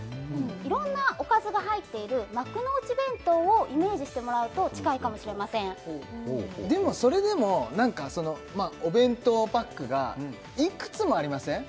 いろんなおかずが入っている幕の内弁当をイメージしてもらうと近いかもしれませんでもそれでも何かそのお弁当パックがいくつもありません？